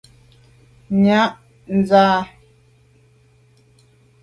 Nsa yàm mfe kamànyam neshu.